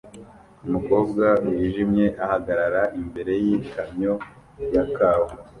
Umukobwa wijimye ahagarara imbere yikamyo ya Kawa